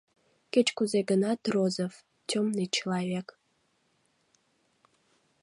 Кеч-кузе гынат, Розов — тёмный человек.